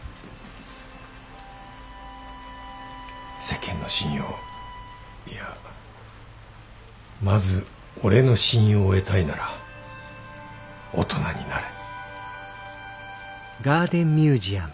世間の信用いやまず俺の信用を得たいなら大人になれ。